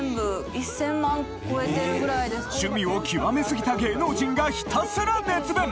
趣味を極め過ぎた芸能人がひたすら熱弁！